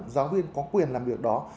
giáo viên có quyền làm được đó